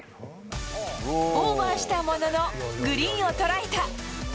オーバーしたもののグリーンを捉えた。